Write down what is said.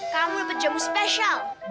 kamu dapat jamu spesial